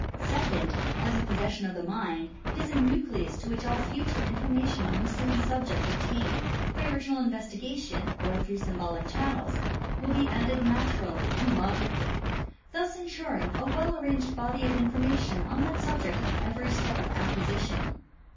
Second, as a possession of the mind it is a nucleus to which all future information on the same subject obtained by original investigation or through symbolic channels will be added natur ally and logically, thus insuring a well arranged body of infor mation on that subject at every step of acquisition.